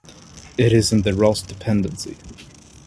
It is in the Ross Dependency.